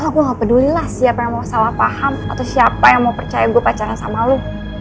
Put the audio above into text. aku gak pedulilah siapa yang mau salah paham atau siapa yang mau percaya gue pacaran sama lo